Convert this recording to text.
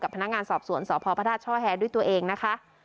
กับพนักงานสอบสวนสพพฤษฐช่อแฮดด้วยตัวเองนะคะ